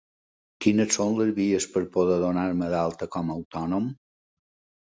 Quines són les vies per poder donar-me d'alta com a autònom?